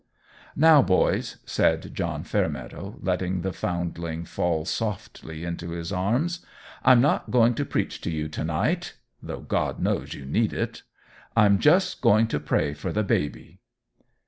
"Now, boys," said John Fairmeadow, letting the foundling fall softly into his arms, "I'm not going to preach to you to night, though God knows you need it! I'm just going to pray for the baby.